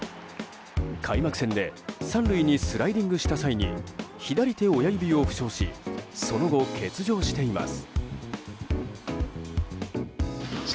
開幕戦で３塁にスライディングした際に左手親指を負傷しその後、欠場しています。